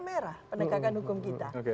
merah penegakan hukum kita